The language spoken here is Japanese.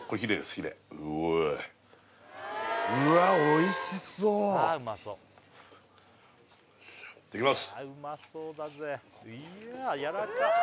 ヒレうおっうわっおいしそういただきます